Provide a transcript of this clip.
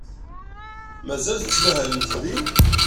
Mazal tettmahalemt din?